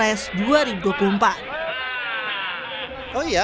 oh iya saya kembali ke p tiga